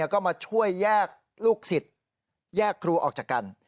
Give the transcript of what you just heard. ก็มาช่วยแยกลูกศิษย์แยกครูออกจากกัน